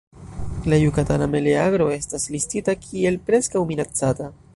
La Jukatana meleagro estas listita kiel "Preskaŭ Minacata".